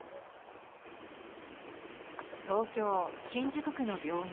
東京・新宿区の病院。